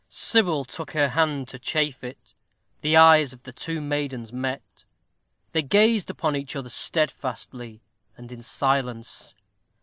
Sybil took her hand to chafe it. The eyes of the two maidens met. They gazed upon each other steadfastly and in silence.